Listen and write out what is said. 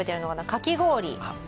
かき氷？